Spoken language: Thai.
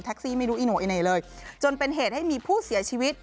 ซี่ไม่รู้อีโน่อีเหน่เลยจนเป็นเหตุให้มีผู้เสียชีวิต